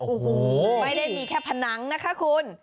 โอ้โหไม่ได้มีแค่ผนังนะคะคุณ